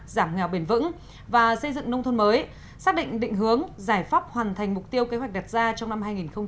giảm nghèo bền vững và xây dựng nông thôn mới xác định định hướng giải pháp hoàn thành mục tiêu kế hoạch đặt ra trong năm hai nghìn hai mươi